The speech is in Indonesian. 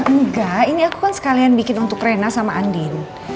enggak ini aku kan sekalian bikin untuk rena sama andin